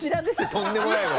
「とんでもない」は！